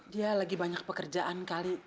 dia lagi banyak pekerjaan kali